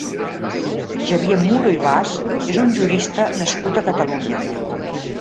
Xavier Muro i Bas és un jurista nascut a Catalunya.